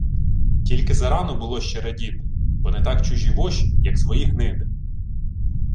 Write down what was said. Тільки зарано було ще радіти, бо не так чужі воші, як свої гниди.